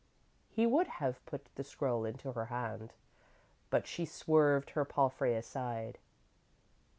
"_ _He would have put the scroll into her hand, but she swerved her palfrey aside.